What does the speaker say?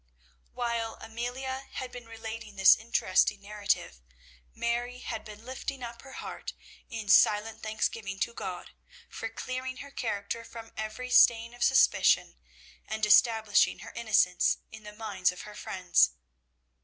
'" While Amelia had been relating this interesting narrative, Mary had been lifting up her heart in silent thanksgiving to God for clearing her character from every stain of suspicion and establishing her innocence in the minds of her friends.